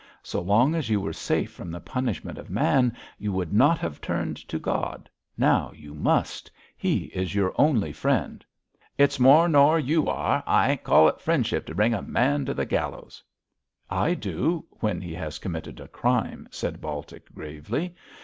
So long as you were safe from the punishment of man you would not have turned to God. Now you must. He is your only friend.' 'It's more nor you are. I don't call it friendship to bring a man to the gallows!' 'I do when he has committed a crime,' said Baltic, gravely.